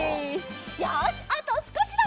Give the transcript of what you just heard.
よしあとすこしだ！